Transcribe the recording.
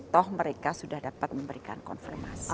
toh mereka sudah dapat memberikan konfirmasi